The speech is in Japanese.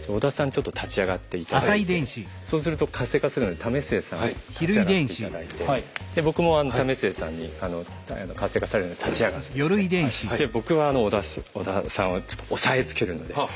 ちょっと立ち上がって頂いてそうすると活性化するので為末さん立ち上がって頂いてで僕も為末さんに活性化されるので立ち上がってですねで僕は織田さんをちょっとおさえつけるので。